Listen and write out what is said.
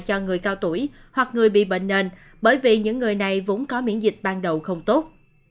cho người cao tuổi hoặc người bị bệnh nền bởi vì những người này vốn có miễn dịch ban đầu không tốt